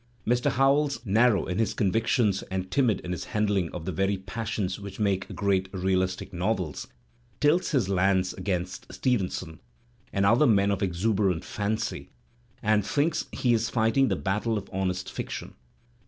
Mr. Howells» narrow in his convictions and timid in his handling of the very passions which make great realistic novels, tilts his lance against Stevenson and other men of exuberant fancy and thinks he is fighting the battle of honest fiction.